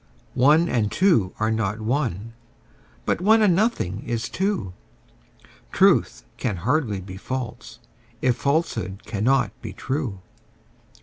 One and two are not one: but one and nothing is two: Truth can hardly be false, if falsehood cannot be true.